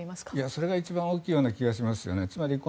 それが一番大きいような気がします。